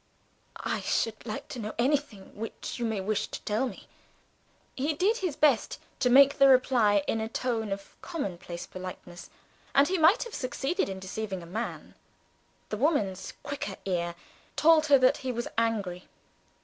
"I should like to know anything which you may wish to tell me." He did his best to make the reply in a tone of commonplace politeness and he might have succeeded in deceiving a man. The woman's quicker ear told her that he was angry.